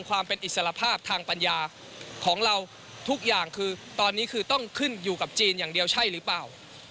ก็คือต้องขึ้นอยู่กับจีนอย่างเดียวใช่หรือเปล่า